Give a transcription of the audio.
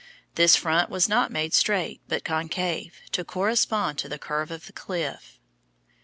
This front was not made straight, but concave, to correspond to the curve of the cliff.